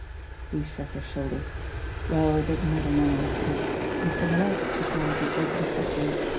He shrugged his shoulders. Well, it didn't matter now, did it, since some one else had supplied the "open sesame